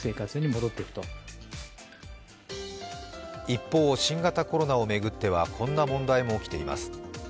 一方、新型コロナを巡ってはこんな問題も起きています。